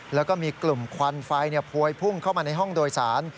แล้วก็มีกลุ่มควันไฟพวยพุ่งเข้ามาในห้องโดยสาร